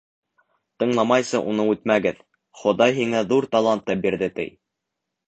Тыңламайса уны үтмәгеҙ: Хоҙай һиңә ҙур талант та бирҙе, ти.